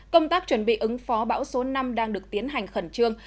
công tác chuẩn bị ứng phó bão số năm đang được tiến hành khẩn trương